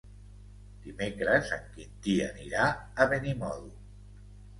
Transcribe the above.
Dimecres en Quintí anirà a Benimodo.